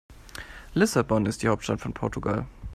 Lissabon ist die Hauptstadt von Portugal.